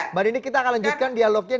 mbak dini kita akan lanjutkan dialognya